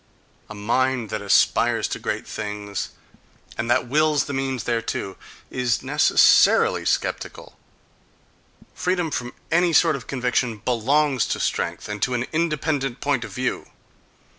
A mind that aspires to great things, and that wills the means thereto, is necessarily sceptical. Freedom from any sort of conviction belongs to strength, and to an independent point of view....